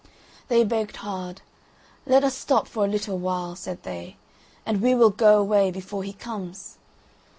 They begged hard. "Let us stop for a little while," said they, "and we will go away before he comes."